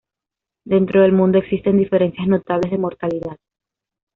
Dentro del mundo existen diferencias notables de mortalidad.